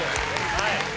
はい。